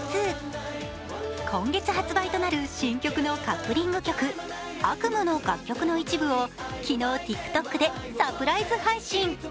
今月発売となる新曲のカップリング曲「Ａｋｕｍｕ」の楽曲の一部を昨日ＴｉｋＴｏｋでサプライズ配信。